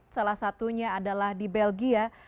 salah satunya adalah di belgia